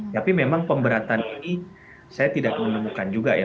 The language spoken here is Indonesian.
tapi memang pemberatan ini saya tidak menemukan juga ya